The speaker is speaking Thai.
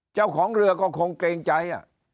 เจ้าของเรือก็คงเกรงใจ